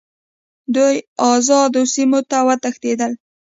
دوی آزادو سیمو ته وتښتېدل.